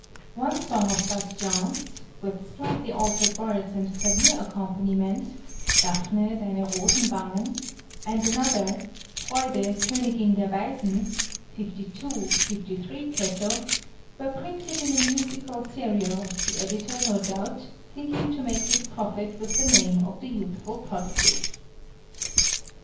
One song of Bastien's (10), with slightly altered words and clavier accompaniment, "Daphne, deine Rosenwangen," and another, "Freude, Königin der Weisen" (52, 53, K.), were printed in a musical serial, the editor, no doubt, thinking to make his profit with the name of the youthful prodigy.